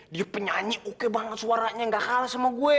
dia penyanyi oke banget suaranya gak kalah sama gue